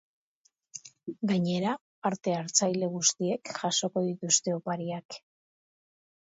Gainera, parte-hartzaile guztiek jasoko dituzue opariak.